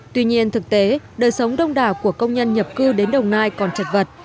tuy nhiên thực tế đời sống đông đảo của công nhân nhập cư đến đồng nai còn chật vật